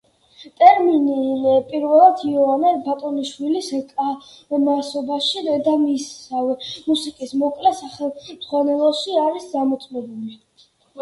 ტერმინი პირველად იოანე ბატონიშვილის „კალმასობაში“ და მისსავე „მუსიკის მოკლე სახელმძღვანელოში“ არის დამოწმებული.